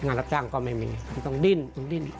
รับจ้างก็ไม่มีมันต้องดิ้นต้องดิ้น